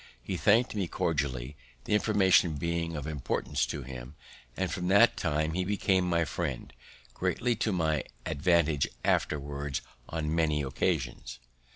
He thank'd me cordially, the information being of importance to him; and from that time he became my friend, greatly to my advantage afterwards on many occasions.